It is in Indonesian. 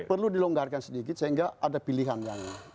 perlu dilonggarkan sedikit sehingga ada pilihan yang